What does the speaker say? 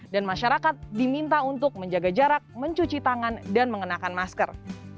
dan masyarakat diminta untuk menjaga jarak mencuci tangan dan mengenakan masker